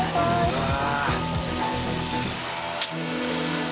うわ。